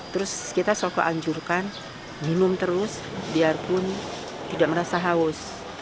terus kita soko anjurkan minum terus biarpun tidak merasa haus